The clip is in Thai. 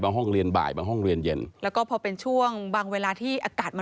ห้องเรียนบ่ายบางห้องเรียนเย็นแล้วก็พอเป็นช่วงบางเวลาที่อากาศมัน